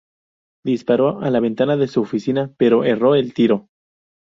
Disparó a la ventana de su oficina, pero erró el tiro.